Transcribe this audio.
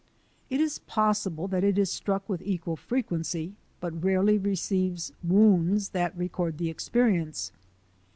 It is possible that it is struck with equal frequency but rarely receives wounds that record the experience.